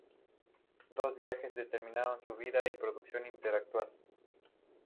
Dichos viajes determinaron su vida y su producción intelectual.